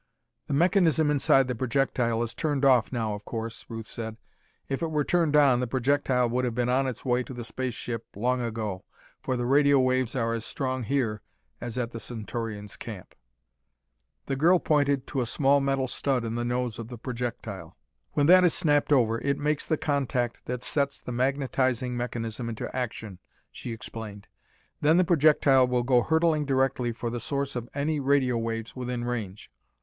"The mechanism inside the projectile is turned off now, of course," Ruth said. "If it were turned on, the projectile would have been on its way to the space ship long ago, for the radio waves are as strong here as at the Centaurians' camp." The girl pointed to a small metal stud in the nose of the projectile. "When that is snapped over, it makes the contact that sets the magnetizing mechanism into action," she explained. "Then the projectile will go hurtling directly for the source of any radio waves within range.